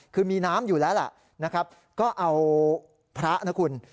คือมีน้ำอยู่แล้วล่ะนะครับก็เอาพระนะคุณ